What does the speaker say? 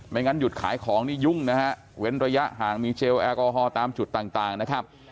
งั้นหยุดขายของนี่ยุ่งนะฮะเว้นระยะห่างมีเจลแอลกอฮอลตามจุดต่างนะครับ